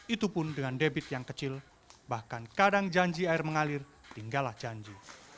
itu pun dengan debit yang kecil bahkan kadang janji air mengalir tinggallah janji